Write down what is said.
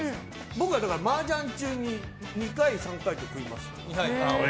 僕はマージャン中に２回、３回と食います。